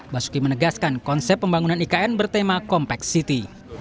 basuki menegaskan konsep pembangunan ikn bertema compact city